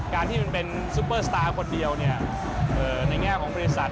การที่มันเป็นซุปเปอร์สตาร์คนเดียวในแง่ของบริษัท